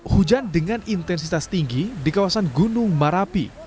hujan dengan intensitas tinggi di kawasan gunung marapi